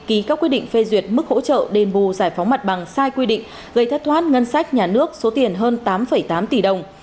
ký các quyết định phê duyệt mức hỗ trợ đền bù giải phóng mặt bằng sai quy định gây thất thoát ngân sách nhà nước số tiền hơn tám tám tỷ đồng